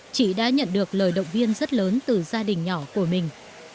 chị đã nhận được lời động viên rất lớn từ gia đình nhỏ của mình